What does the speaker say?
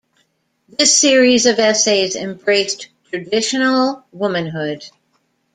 This series of essays embraced traditional womanhood.